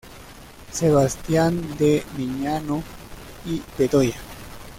Sebastian de Miñano y Bedoya.